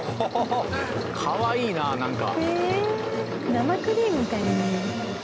生クリームみたい。